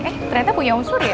eh ternyata punya om surya